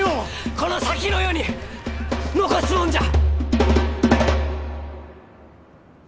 この先の世に残すもんじゃ！